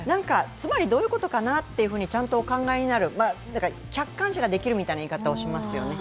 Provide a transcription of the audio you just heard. つまりどういうことかなとちゃんとお考えになる客観視ができるという言い方をしますよね。